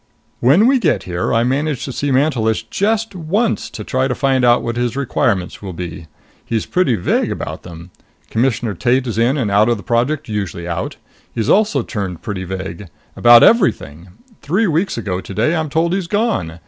"When we get here, I manage to see Mantelish just once to try to find out what his requirements will be. He's pretty vague about them. Commissioner Tate is in and out of the Project usually out. He's also turned pretty vague. About everything. Three weeks ago today I'm told he's gone.